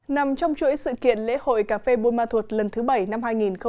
nằm trong chuỗi sự kiện lễ hội cà phê buôn ma thuột lần thứ bảy năm hai nghìn một mươi chín